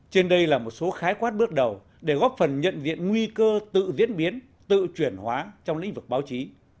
trên đây là một số khái quát bước đầu để góp phần nhận diện nguy cơ tự diễn biến tự chuyển hóa trong lĩnh vực báo chí